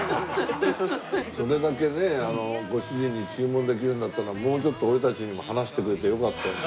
それだけねご主人に注文できるんだったらもうちょっと俺たちにも話してくれてよかったのに。